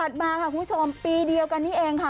มาค่ะคุณผู้ชมปีเดียวกันนี้เองค่ะ